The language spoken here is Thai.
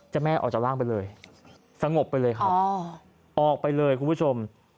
แม่ออกจากร่างไปเลยสงบไปเลยครับออกไปเลยคุณผู้ชม